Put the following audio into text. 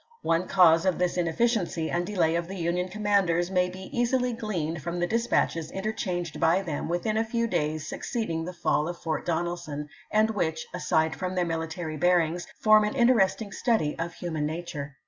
One cause of this inefficiency and delay of the Union commanders may be easily gleaned from the dispatches interchanged by them within a few days succeeding the fall of Fort Donelson, and which, aside from their military bearings, form an inter esting study of human nature.